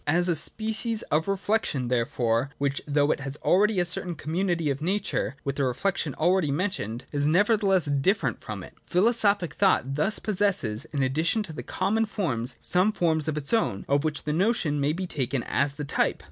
As a species of reflection, therefore, which, though it has a certain community of nature with the reflection already 1 6 INTRODUCTION. [9 10 mentioned, is nevertheless different from it, philosophic thought thus possesses, in addition to the common forms, some forms of its own, of which the Notion may be taken as the type.